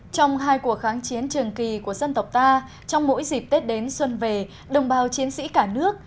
trong hai cuộc kháng chiến trường kỳ của dân tộc ta trong mỗi dịp tết đến xuân về đồng bào chiến sĩ cả nước